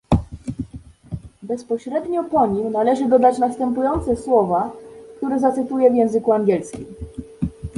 Bezpośrednio po nim należy dodać następujące słowa, które zacytuję w języku angielskim